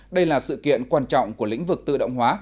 đây là sự kiện quan trọng của lĩnh vực tự động hóa